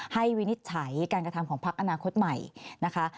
วินิจฉัยการกระทำของพักอนาคตใหม่นะคะ